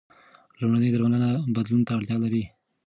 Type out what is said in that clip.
لومړنۍ درملنه بدلون ته اړتیا لري.